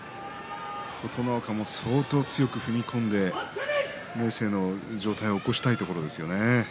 琴ノ若の外を踏み込んで明生の上体を起こしたいところですね。